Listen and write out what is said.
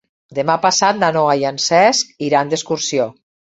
Demà passat na Noa i en Cesc iran d'excursió.